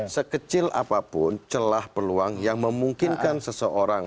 sekecil apapun celah peluang yang memungkinkan seseorang